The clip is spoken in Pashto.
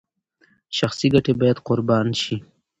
شخصي ګټې باید قربان شي.